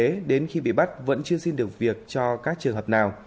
nguyễn thị xen đến khi bị bắt vẫn chưa xin được việc cho các trường hợp nào